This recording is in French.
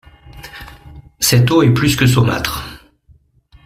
Cette eau est plus que saumâtre!